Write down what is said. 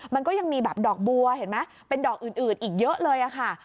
มันก็ยังมีแบบดอกบัวเห็นไหมเป็นดอกอื่นอีกเยอะเลยค่ะ